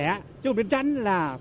chứ không đến tránh là không được